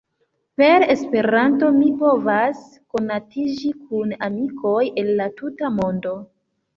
Per Esperanto mi povas konatiĝi kun amikoj el la tuta mondo.